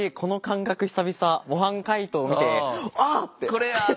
「これや！